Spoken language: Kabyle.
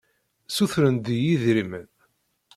Ssutren-d deg-i idrimen.